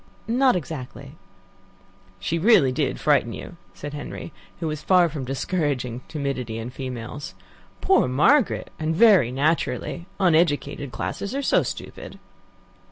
"Not exactly." "She really did frighten you," said Henry, who was far from discouraging timidity in females. "Poor Margaret! And very naturally. Uneducated classes are so stupid."